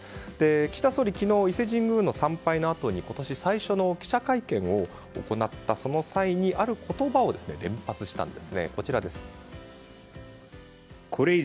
岸田総理、昨日伊勢神宮参拝のあとに今年最初の記者会見を行ったその際にある言葉を連発したんです。